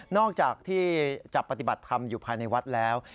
จากที่จะปฏิบัติธรรมอยู่ภายในวัดแล้ว